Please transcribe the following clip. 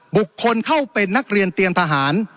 บุคคลเข้าเป็นนักเรียนเตรียมทหาร